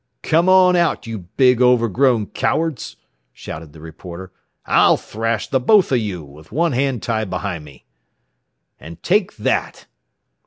"Come on out, you big, overgrown cowards," shouted the reporter. "I'll thrash the both of you, with one hand tied behind me! "And take that!"